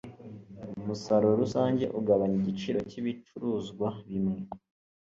Umusaruro rusange ugabanya igiciro cyibicuruzwa bimwe.